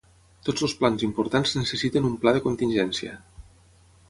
Tots els plans importants necessiten un pla de contingència.